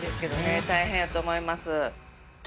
大変やと思います。